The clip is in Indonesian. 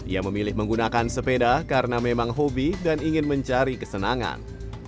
ia memilih menggunakan sepeda karena memang hobi dan ingin mencari kesenangan